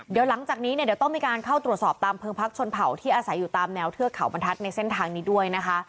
เดี๋ยวหลังจากนี้เนี่ยเดี๋ยวต้องมีการเข้าตรวจสอบตามเพลิงพักชนเผาที่อาศัยอยู่ตามแนวเทือกเขาบรรทัศน์ในเส้นทางนี้ด้วยนะคะ